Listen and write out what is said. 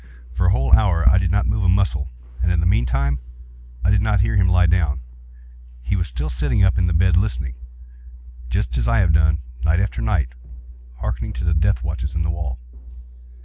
For a whole hour I did not move a muscle, and in the meantime I did not hear him lie down. He was still sitting up in the bed listening;—just as I have done, night after night, hearkening to the death watches in the wall.